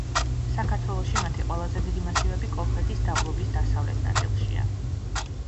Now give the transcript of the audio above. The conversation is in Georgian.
საქართველოში მათი ყველაზე დიდი მასივები კოლხეთის დაბლობის დასავლეთ ნაწილშია.